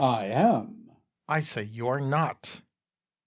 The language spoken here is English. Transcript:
I am. Bru. I say you are not.